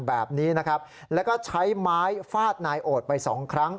แบบนี้นะครับแล้วก็ใช้ไม้ฟาดนายโอดไปสองครั้ง